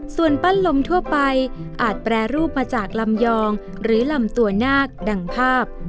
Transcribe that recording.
ส่วนปั้นลมทั่วไปอาจแปรรูปมาจากลำยองหรือลำตัวนาคดังภาพ